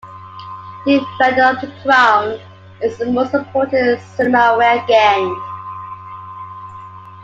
"Defender of the Crown" is the most ported Cinemaware game.